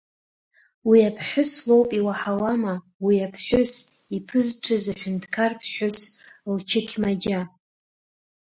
Уи аԥҳәыс лоуп, иуаҳауама, уи аԥҳәыс, иԥызҽыз аҳәынҭқарԥҳәыс лчықьмаџьа.